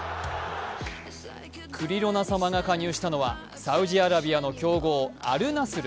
クリロナ様が加入したのは、サウジアラビアの強豪アル・ナスル。